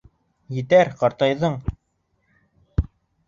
Етәр, ҡартайҙың.